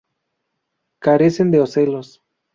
Carecen de ocelos.